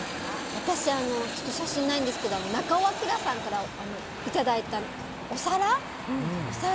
私は写真がないんですけど中尾彬さんからいただいたお皿。